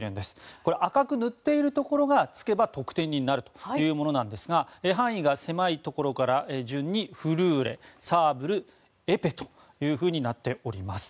これは赤く塗っているところが突けば得点になるところですが範囲が狭いところから順にフルーレ、サーブル、エペとなっております。